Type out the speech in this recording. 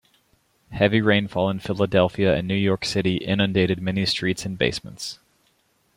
Heavy rainfall in Philadelphia and New York City inundated many streets and basements.